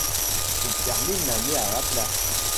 Il termine l'année à la place.